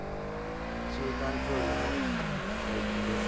「週刊潮流」の佐伯です